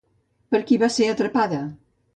Per qui va ser atrapada?